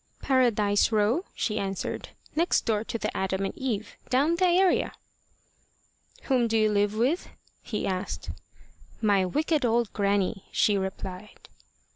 "Paradise Row," she answered; "next door to the Adam and Eve down the area." "Whom do you live with?" he asked. "My wicked old grannie," she replied.